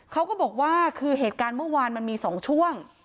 เขาก็บอกว่าคือเหตุการณ์เมื่อวานมันมี๒ช่วง